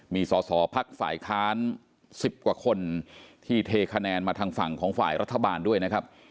มีสอสอพักฝ่ายค้าน๑๐กว่าคนที่เทคะแนนมาทางฝั่งของฝ่ายรัฐบาลด้วยนะครับ